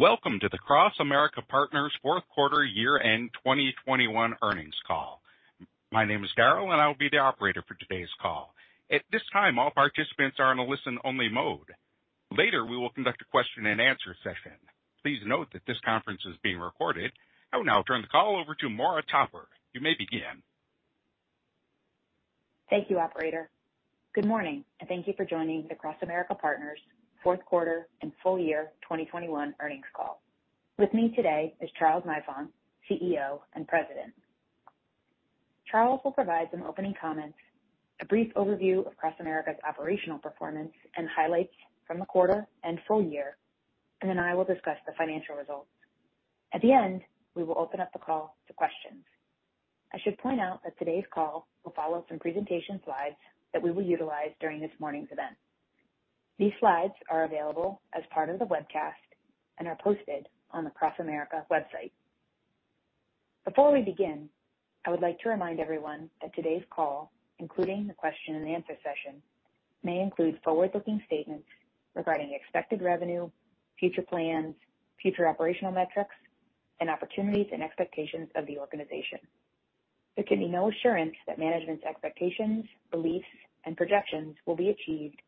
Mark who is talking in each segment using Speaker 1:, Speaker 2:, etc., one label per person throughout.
Speaker 1: Welcome to the CrossAmerica Partners fourth quarter year-end 2021 earnings call. My name is Daryl, and I will be the operator for today's call. At this time, all participants are in a listen-only mode. Later, we will conduct a question-and-answer session. Please note that this conference is being recorded. I will now turn the call over to Maura Topper. You may begin.
Speaker 2: Thank you, operator. Good morning, and thank you for joining the CrossAmerica Partners fourth quarter and full year 2021 earnings call. With me today is Charles Nifong, CEO and President. Charles will provide some opening comments, a brief overview of CrossAmerica's operational performance, and highlights from the quarter and full year, and then I will discuss the financial results. At the end, we will open up the call to questions. I should point out that today's call will follow some presentation slides that we will utilize during this morning's event. These slides are available as part of the webcast and are posted on the CrossAmerica website. Before we begin, I would like to remind everyone that today's call, including the question and answer session, may include forward-looking statements regarding expected revenue, future plans, future operational metrics, and opportunities and expectations of the organization. There can be no assurance that management's expectations, beliefs, and projections will be achieved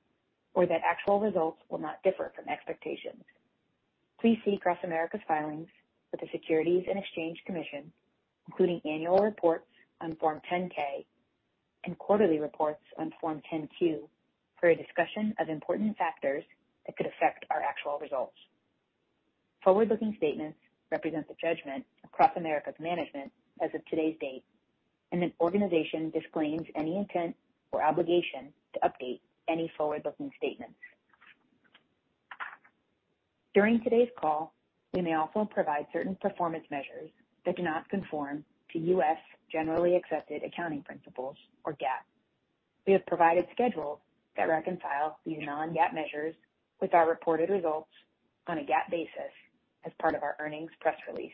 Speaker 2: or that actual results will not differ from expectations. Please see CrossAmerica's filings with the Securities and Exchange Commission, including annual reports on Form 10-K and quarterly reports on Form 10-Q, for a discussion of important factors that could affect our actual results. Forward-looking statements represent the judgment of CrossAmerica's management as of today's date and that organization disclaims any intent or obligation to update any forward-looking statements. During today's call, we may also provide certain performance measures that do not conform to U.S. generally accepted accounting principles, or GAAP. We have provided schedules that reconcile these Non-GAAP measures with our reported results on a GAAP basis as part of our earnings press release.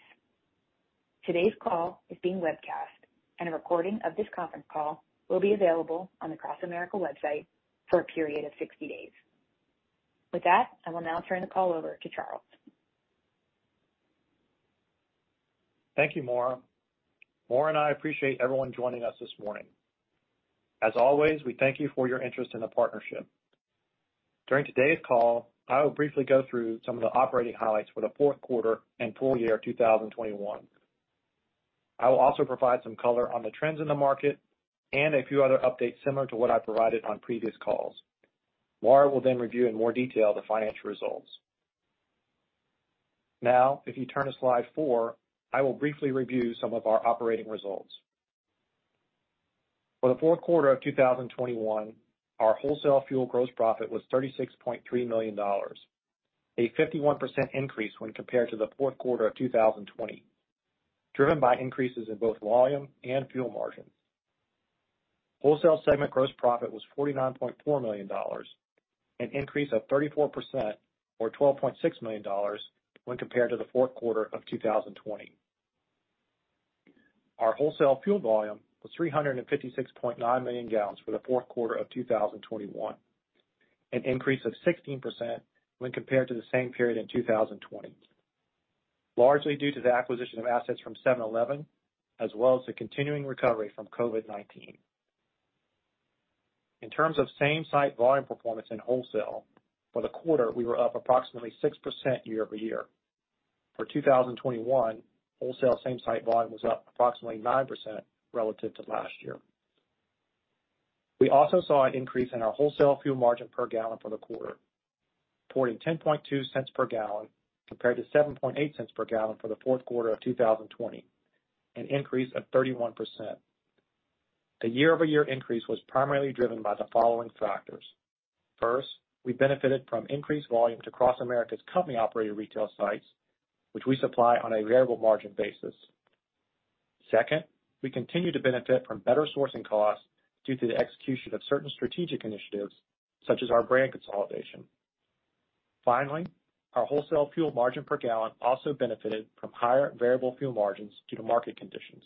Speaker 2: Today's call is being webcast, and a recording of this conference call will be available on the CrossAmerica website for a period of 60 days. With that, I will now turn the call over to Charles.
Speaker 3: Thank you, Maura. Maura and I appreciate everyone joining us this morning. As always, we thank you for your interest in the partnership. During today's call, I will briefly go through some of the operating highlights for the fourth quarter and full year 2021. I will also provide some color on the trends in the market and a few other updates similar to what I provided on previous calls. Maura will then review in more detail the financial results. Now, if you turn to slide 4, I will briefly review some of our operating results. For the fourth quarter of 2021, our wholesale fuel gross profit was $36.3 million, a 51% increase when compared to the fourth quarter of 2020, driven by increases in both volume and fuel margins. Wholesale segment gross profit was $49.4 million, an increase of 34% or $12.6 million when compared to the fourth quarter of 2020. Our wholesale fuel volume was 356.9 million gallons for the fourth quarter of 2021, an increase of 16% when compared to the same period in 2020, largely due to the acquisition of assets from 7-Eleven, as well as the continuing recovery from COVID-19. In terms of same-site volume performance in wholesale, for the quarter, we were up approximately 6% year-over-year. For 2021, wholesale same-site volume was up approximately 9% relative to last year. We also saw an increase in our wholesale fuel margin per gallon for the quarter, reporting $0.102 per gallon compared to $0.078 per gallon for the fourth quarter of 2020, an increase of 31%. The year-over-year increase was primarily driven by the following factors. First, we benefited from increased volume to CrossAmerica's company-operated retail sites, which we supply on a variable margin basis. Second, we continue to benefit from better sourcing costs due to the execution of certain strategic initiatives such as our brand consolidation. Finally, our wholesale fuel margin per gallon also benefited from higher variable fuel margins due to market conditions.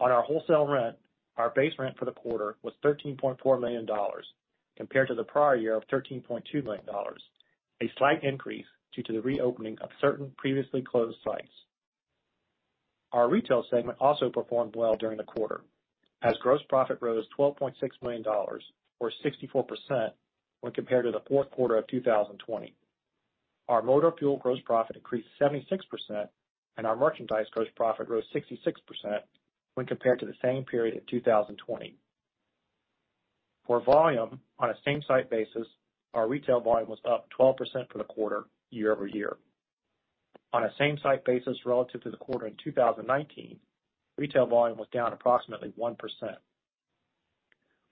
Speaker 3: Our wholesale rent, our base rent for the quarter was $13.4 million compared to the prior year of $13.2 million, a slight increase due to the reopening of certain previously closed sites. Our retail segment also performed well during the quarter as gross profit rose $12.6 million, or 64%, when compared to the fourth quarter of 2020. Our motor fuel gross profit increased 76%, and our merchandise gross profit rose 66% when compared to the same period in 2020. For volume on a same-site basis, our retail volume was up 12% for the quarter year-over-year. On a same-site basis relative to the quarter in 2019, retail volume was down approximately 1%.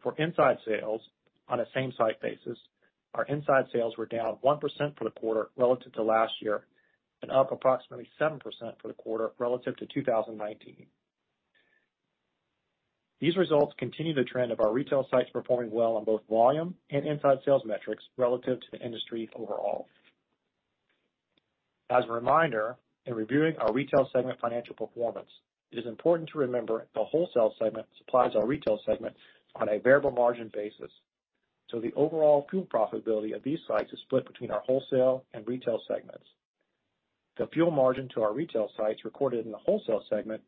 Speaker 3: For inside sales on a same-site basis, our inside sales were down 1% for the quarter relative to last year and up approximately 7% for the quarter relative to 2019. These results continue the trend of our retail sites performing well on both volume and inside sales metrics relative to the industry overall. As a reminder, in reviewing our retail segment financial performance, it is important to remember the wholesale segment supplies our retail segment on a variable margin basis. The overall fuel profitability of these sites is split between our wholesale and retail segments. The fuel margin to our retail sites recorded in the wholesale segment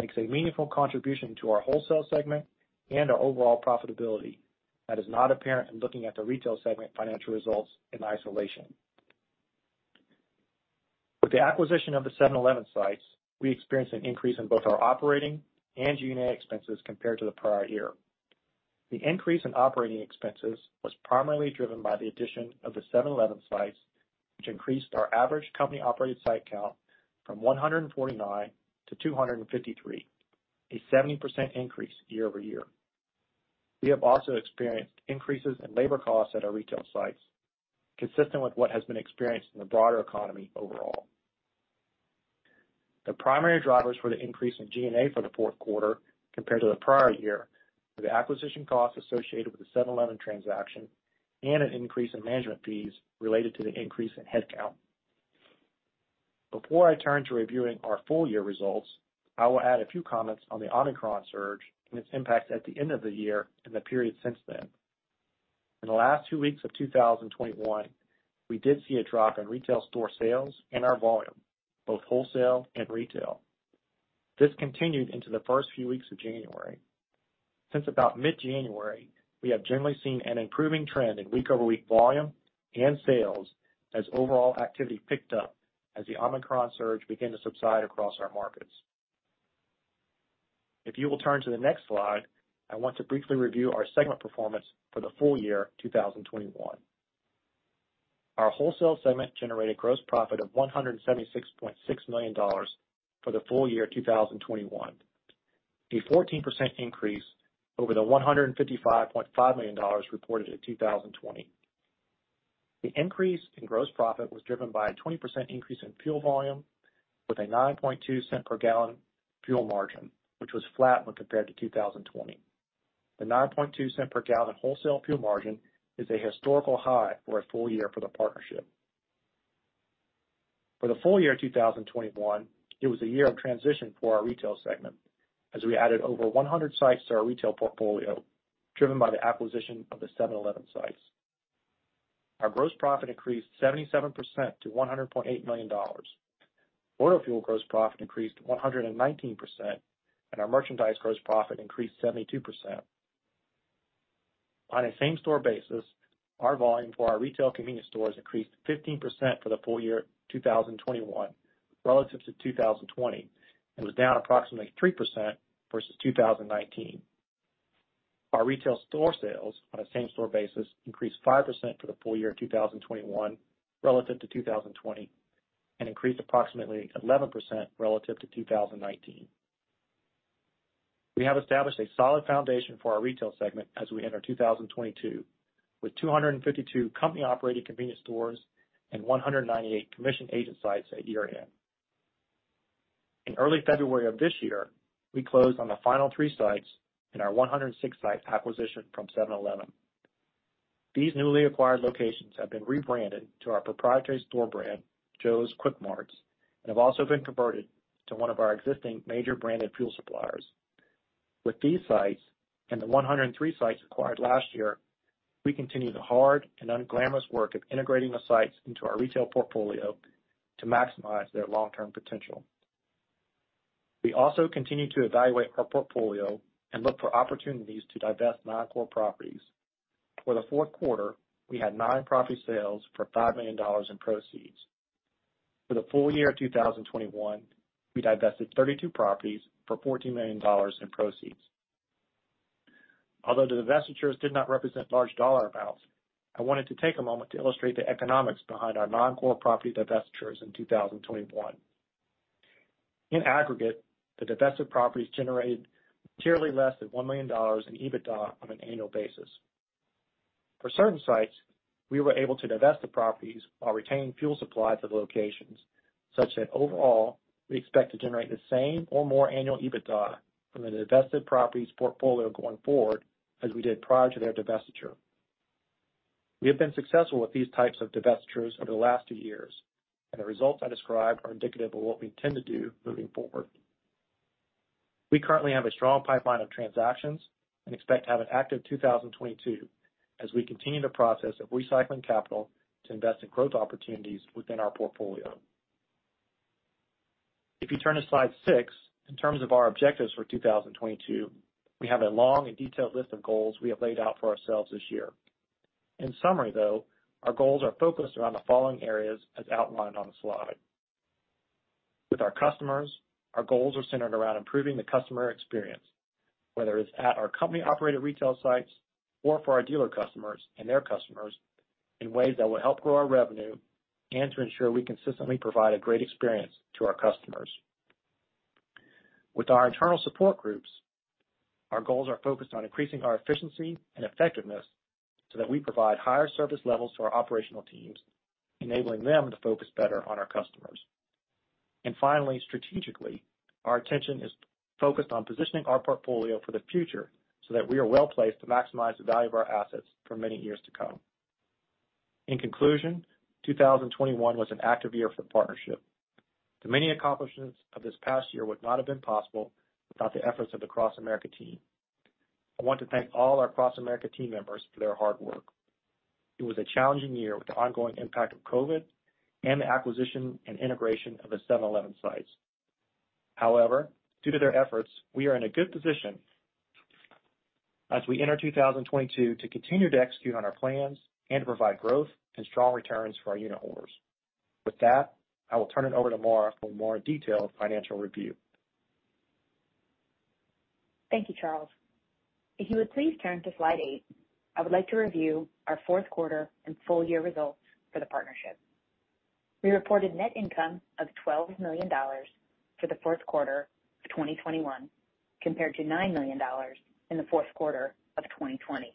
Speaker 3: makes a meaningful contribution to our wholesale segment and our overall profitability that is not apparent in looking at the retail segment financial results in isolation. With the acquisition of the 7-Eleven sites, we experienced an increase in both our operating and G&A expenses compared to the prior year. The increase in operating expenses was primarily driven by the addition of the 7-Eleven sites, which increased our average company-operated site count from 149 to 253, a 70% increase year-over-year. We have also experienced increases in labor costs at our retail sites, consistent with what has been experienced in the broader economy overall. The primary drivers for the increase in G&A for the fourth quarter compared to the prior year were the acquisition costs associated with the 7-Eleven transaction and an increase in management fees related to the increase in headcount. Before I turn to reviewing our full year results, I will add a few comments on the Omicron surge and its impact at the end of the year and the period since then. In the last two weeks of 2021, we did see a drop in retail store sales and our volume, both wholesale and retail. This continued into the first few weeks of January. Since about mid-January, we have generally seen an improving trend in week-over-week volume and sales as overall activity picked up as the Omicron surge began to subside across our markets. If you will turn to the next slide, I want to briefly review our segment performance for the full year 2021. Our wholesale segment generated gross profit of $176.6 million for the full year 2021, a 14% increase over the $155.5 million reported in 2020. The increase in gross profit was driven by a 20% increase in fuel volume with a 9.2 cents per gallon fuel margin, which was flat when compared to 2020. The 9.2 cents per gallon wholesale fuel margin is a historical high for a full year for the partnership. For the full year 2021, it was a year of transition for our retail segment as we added over 100 sites to our retail portfolio, driven by the acquisition of the 7-Eleven sites. Our gross profit increased 77% to $100.8 million. Auto fuel gross profit increased 119%, and our merchandise gross profit increased 72%. On a same store basis, our volume for our retail convenience stores increased 15% for the full year 2021 relative to 2020, and was down approximately 3% versus 2019. Our retail store sales on a same store basis increased 5% for the full year 2021 relative to 2020, and increased approximately 11% relative to 2019. We have established a solid foundation for our retail segment as we enter 2022 with 252 company-operated convenience stores and 198 commission agent sites at year-end. In early February of this year, we closed on the final three sites in our 106 sites acquisition from 7-Eleven. These newly acquired locations have been rebranded to our proprietary store brand, Joe's Kwik Marts, and have also been converted to one of our existing major branded fuel suppliers. With these sites, and the 103 sites acquired last year, we continue the hard and unglamorous work of integrating the sites into our retail portfolio to maximize their long-term potential. We also continue to evaluate our portfolio and look for opportunities to divest non-core properties. For the fourth quarter, we had nine property sales for $5 million in proceeds. For the full year 2021, we divested 32 properties for $14 million in proceeds. Although the divestitures did not represent large dollar amounts, I wanted to take a moment to illustrate the economics behind our non-core property divestitures in 2021. In aggregate, the divested properties generated materially less than $1 million in EBITDA on an annual basis. For certain sites, we were able to divest the properties while retaining fuel supplies at the locations, such that overall, we expect to generate the same or more annual EBITDA from the divested properties portfolio going forward as we did prior to their divestiture. We have been successful with these types of divestitures over the last two years, and the results I described are indicative of what we intend to do moving forward. We currently have a strong pipeline of transactions and expect to have an active 2022 as we continue the process of recycling capital to invest in growth opportunities within our portfolio. If you turn to slide six, in terms of our objectives for 2022, we have a long and detailed list of goals we have laid out for ourselves this year. In summary, though, our goals are focused around the following areas as outlined on the slide. With our customers, our goals are centered around improving the customer experience, whether it's at our company-operated retail sites or for our dealer customers and their customers in ways that will help grow our revenue and to ensure we consistently provide a great experience to our customers. With our internal support groups, our goals are focused on increasing our efficiency and effectiveness so that we provide higher service levels to our operational teams, enabling them to focus better on our customers. Finally, strategically, our attention is focused on positioning our portfolio for the future so that we are well-placed to maximize the value of our assets for many years to come. In conclusion, 2021 was an active year for partnership. The many accomplishments of this past year would not have been possible without the efforts of the CrossAmerica team. I want to thank all our CrossAmerica team members for their hard work. It was a challenging year with the ongoing impact of COVID and the acquisition and integration of the 7-Eleven sites. However, due to their efforts, we are in a good position as we enter 2022 to continue to execute on our plans and to provide growth and strong returns for our unitholders. With that, I will turn it over to Maura for a more detailed financial review.
Speaker 2: Thank you, Charles. If you would please turn to slide eight, I would like to review our fourth quarter and full year results for the partnership. We reported net income of $12 million for the fourth quarter of 2021, compared to $9 million in the fourth quarter of 2020.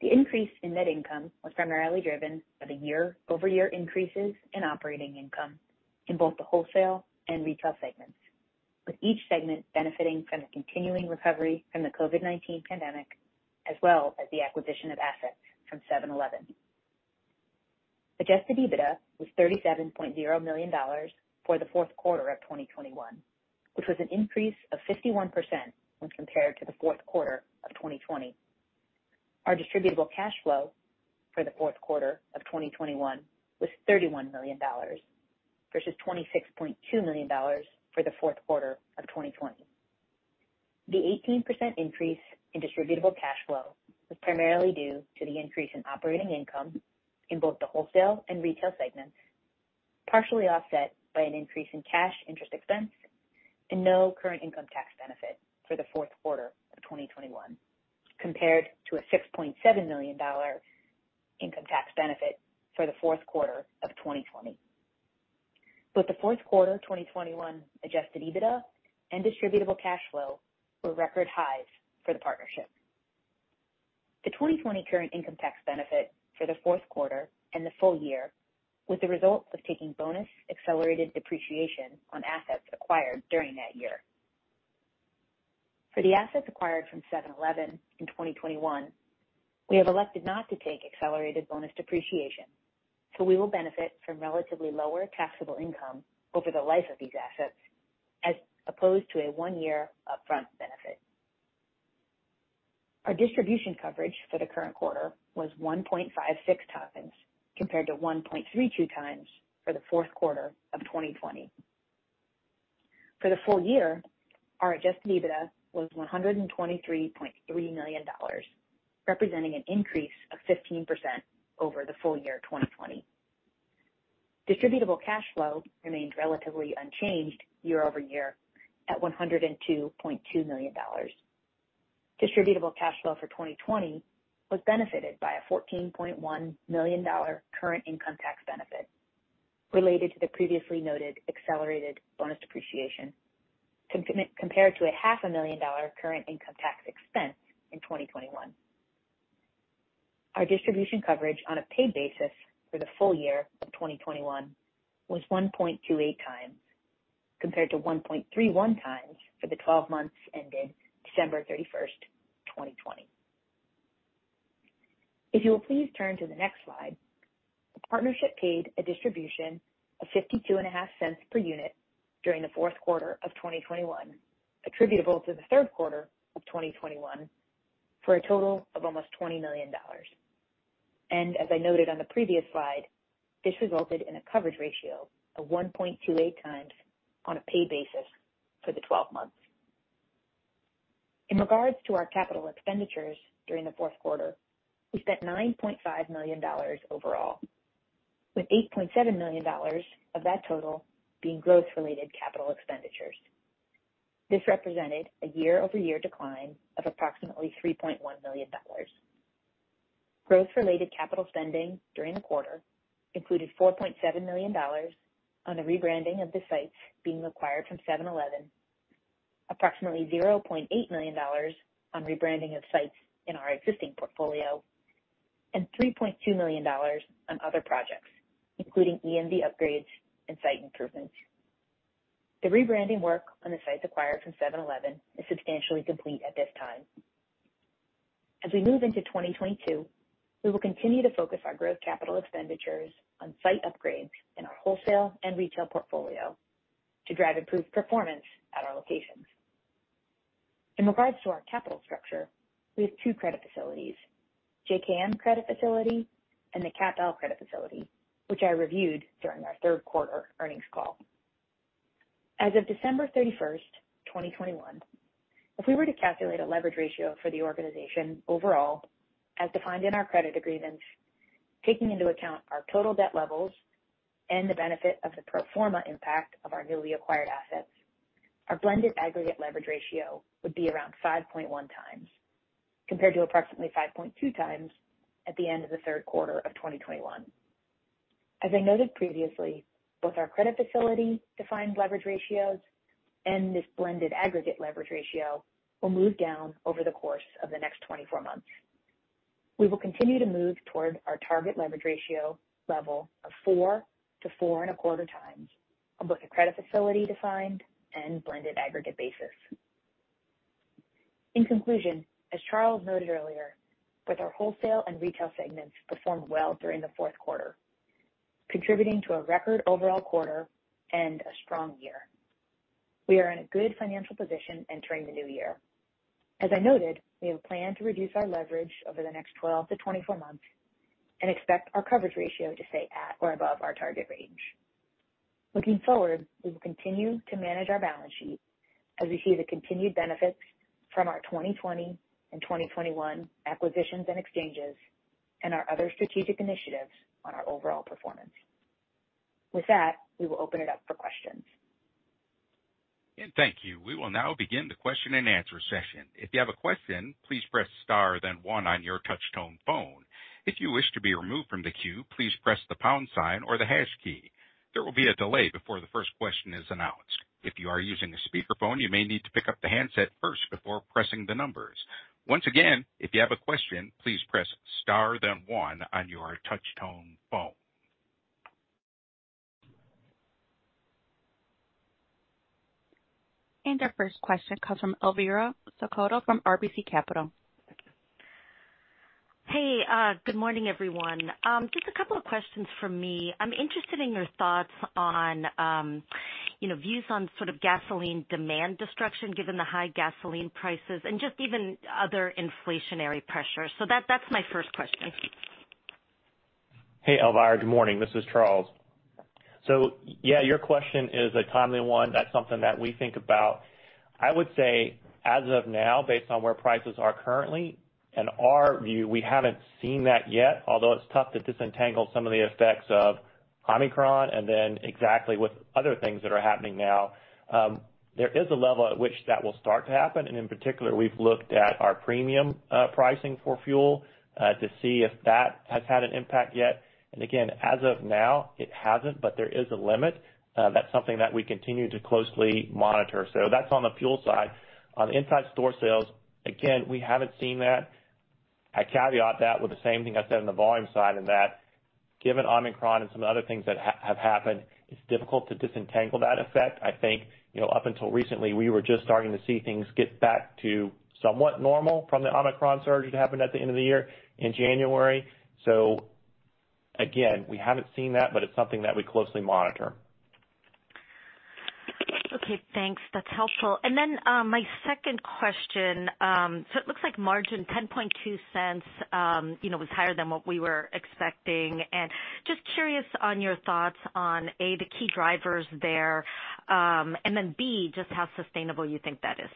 Speaker 2: The increase in net income was primarily driven by the year-over-year increases in operating income in both the wholesale and retail segments, with each segment benefiting from the continuing recovery from the COVID-19 pandemic, as well as the acquisition of assets from 7-Eleven. Adjusted EBITDA was $37.0 million for the fourth quarter of 2021, which was an increase of 51% when compared to the fourth quarter of 2020. Our distributable cash flow for the fourth quarter of 2021 was $31 million versus $26.2 million for the fourth quarter of 2020. The 18% increase in distributable cash flow was primarily due to the increase in operating income in both the wholesale and retail segments, partially offset by an increase in cash interest expense and no current income tax benefit for the fourth quarter of 2021, compared to a $6.7 million income tax benefit for the fourth quarter of 2020. Both the fourth quarter of 2021 adjusted EBITDA and distributable cash flow were record highs for the partnership. The 2020 current income tax benefit for the fourth quarter and the full year was the result of taking bonus accelerated depreciation on assets acquired during that year. For the assets acquired from 7-Eleven in 2021, we have elected not to take accelerated bonus depreciation, so we will benefit from relatively lower taxable income over the life of these assets as opposed to a one-year upfront benefit. Our distribution coverage for the current quarter was 1.56 times, compared to 1.32 times for the fourth quarter of 2020. For the full year, our adjusted EBITDA was $123.3 million, representing an increase of 15% over the full year 2020. Distributable cash flow remained relatively unchanged year over year at $102.2 million. Distributable cash flow for 2020 was benefited by a $14.1 million current income tax benefit related to the previously noted accelerated bonus depreciation, compared to a $0.5 million current income tax expense in 2021. Our distribution coverage on a paid basis for the full year of 2021 was 1.28 times, compared to 1.31 times for the twelve months ending December 31, 2020. If you will please turn to the next slide. The partnership paid a distribution of $0.525 per unit during the fourth quarter of 2021, attributable to the third quarter of 2021, for a total of almost $20 million. As I noted on the previous slide, this resulted in a coverage ratio of 1.28 times on a paid basis for the twelve months. In regards to our capital expenditures during the fourth quarter, we spent $9.5 million overall, with $8.7 million of that total being growth-related capital expenditures. This represented a year-over-year decline of approximately $3.1 million. Growth-related capital spending during the quarter included $4.7 million on the rebranding of the sites being acquired from 7-Eleven, approximately $0.8 million on rebranding of sites in our existing portfolio, and $3.2 million on other projects, including EMV upgrades and site improvements. The rebranding work on the sites acquired from 7-Eleven is substantially complete at this time. As we move into 2022, we will continue to focus our growth capital expenditures on site upgrades in our wholesale and retail portfolio to drive improved performance at our locations. In regards to our capital structure, we have two credit facilities, JKM credit facility and the CAPL credit facility, which I reviewed during our third quarter earnings call. As of December 31, 2021, if we were to calculate a leverage ratio for the organization overall, as defined in our credit agreements, taking into account our total debt levels and the benefit of the pro forma impact of our newly acquired assets, our blended aggregate leverage ratio would be around 5.1 times, compared to approximately 5.2 times at the end of the third quarter of 2021. As I noted previously, both our credit facility defined leverage ratios and this blended aggregate leverage ratio will move down over the course of the next 24 months. We will continue to move toward our target leverage ratio level of 4-4.25 times on both the credit facility defined and blended aggregate basis. In conclusion, as Charles noted earlier, with our wholesale and retail segments performed well during the fourth quarter, contributing to a record overall quarter and a strong year. We are in a good financial position entering the new year. As I noted, we have planned to reduce our leverage over the next 12-24 months and expect our coverage ratio to stay at or above our target range. Looking forward, we will continue to manage our balance sheet as we see the continued benefits from our 2020 and 2021 acquisitions and exchanges and our other strategic initiatives on our overall performance. With that, we will open it up for questions.
Speaker 1: And thank you. We will now begin the question and answer session. If you have a question, please press star then one on your touch tone phone. If you wish to be removed from the queue, please press the pound sign or the hash key. There will be a delay before the first question is announced. If you are using a speakerphone, you may need to pick up the handset first before pressing the numbers. Once again, if you have a question, please press star then one on your touch tone phone.
Speaker 2: Our first question comes from Elvira Scotto from RBC Capital.
Speaker 4: Hey, good morning, everyone. Just a couple of questions from me. I'm interested in your thoughts on, you know, views on sort of gasoline demand destruction given the high gasoline prices and just even other inflationary pressures. That, that's my first question.
Speaker 3: Hey, Elvira. Good morning. This is Charles. Yeah, your question is a timely one. That's something that we think about. I would say as of now, based on where prices are currently and our view, we haven't seen that yet, although it's tough to disentangle some of the effects of Omicron and then exactly with other things that are happening now. There is a level at which that will start to happen, and in particular, we've looked at our premium pricing for fuel to see if that has had an impact yet. Again, as of now, it hasn't, but there is a limit. That's something that we continue to closely monitor. That's on the fuel side. On the inside store sales, again, we haven't seen that. I caveat that with the same thing I said on the volume side, in that given Omicron and some other things that have happened, it's difficult to disentangle that effect. I think, you know, up until recently, we were just starting to see things get back to somewhat normal from the Omicron surge that happened at the end of the year in January. Again, we haven't seen that, but it's something that we closely monitor.
Speaker 4: Okay, thanks. That's helpful. My second question. It looks like margin $0.102, you know, was higher than what we were expecting. Just curious on your thoughts on A, the key drivers there, and then B, just how sustainable you think that is.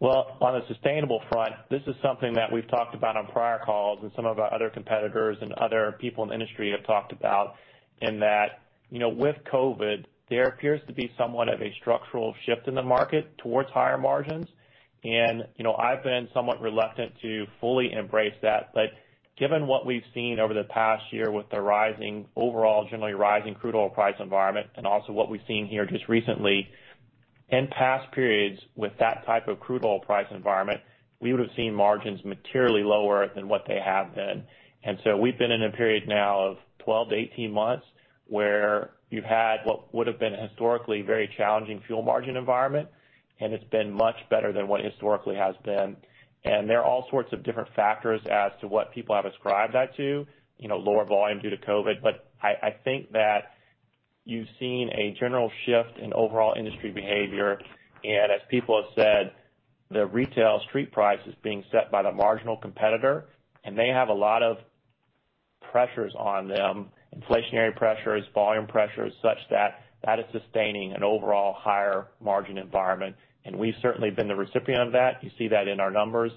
Speaker 3: Well, on a sustainable front, this is something that we've talked about on prior calls and some of our other competitors and other people in the industry have talked about, in that, you know, with COVID, there appears to be somewhat of a structural shift in the market towards higher margins. You know, I've been somewhat reluctant to fully embrace that. Given what we've seen over the past year with the rising overall, generally rising crude oil price environment and also what we've seen here just recently, in past periods with that type of crude oil price environment, we would've seen margins materially lower than what they have been. We've been in a period now of 12-18 months where you've had what would've been historically very challenging fuel margin environment, and it's been much better than what historically has been. There are all sorts of different factors as to what people have ascribed that to, you know, lower volume due to COVID, but I think that you've seen a general shift in overall industry behavior. As people have said, the retail street price is being set by the marginal competitor, and they have a lot of pressures on them, inflationary pressures, volume pressures, such that that is sustaining an overall higher margin environment. We've certainly been the recipient of that. You see that in our numbers.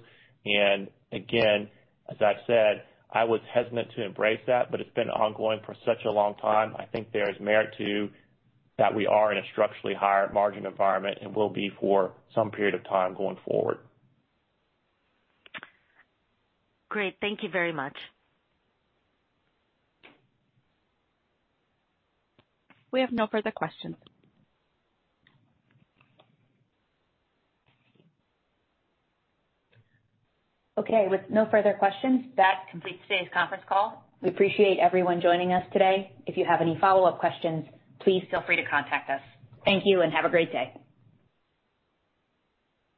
Speaker 3: Again, as I've said, I was hesitant to embrace that, but it's been ongoing for such a long time. I think there is merit to that we are in a structurally higher margin environment and will be for some period of time going forward.
Speaker 4: Great. Thank you very much.
Speaker 2: We have no further questions. Okay. With no further questions, that completes today's conference call. We appreciate everyone joining us today. If you have any follow-up questions, please feel free to contact us. Thank you and have a great day.